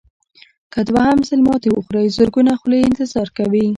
که دوهم ځل ماتې وخورئ زرګونه خولې انتظار کوي.